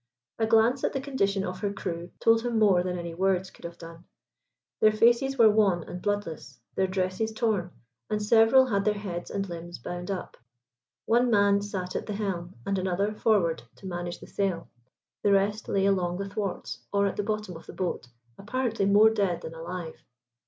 A glance at the condition of her crew told him more than any words could have done. Their faces were wan and bloodless, their dresses torn, and several had their heads and limbs bound up. One man sat at the helm, and another forward to manage the sail; the rest lay along the thwarts or at the bottom of the boat, apparently more dead than alive.